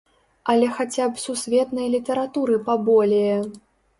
Але хаця б сусветнай літаратуры паболее.